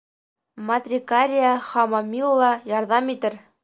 Матрикариа Хамомилла ярҙам итер!